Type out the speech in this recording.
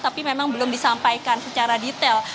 tapi memang belum disampaikan secara detail